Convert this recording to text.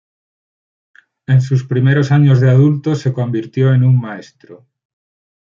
En sus primeros años de adulto se convirtió en un maestro.